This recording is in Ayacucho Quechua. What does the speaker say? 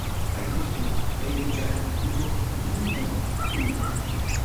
Kaymi huk aycha mikuq ñuñuq uywa.